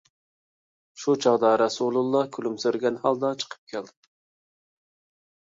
شۇ چاغدا رەسۇلىللا كۈلۈمسىرىگەن ھالدا چىقىپ كەلدى.